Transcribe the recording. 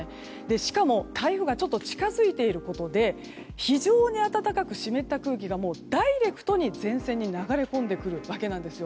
しかも、台風がちょっと近づいていることで非常に暖かく湿った空気がダイレクトに前線に流れ込んでくるわけなんです。